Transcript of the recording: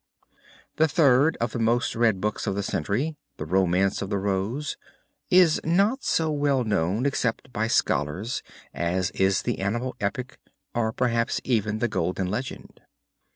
CHRISTOPHER (ALTO RELIEVO, VENICE) The third of the most read books of the century, The Romance of the Rose, is not so well known except by scholars as is the Animal Epic or perhaps even the Golden Legend.